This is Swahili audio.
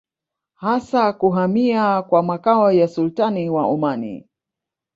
Hasa kuhamia kwa makao ya Sultani wa Omani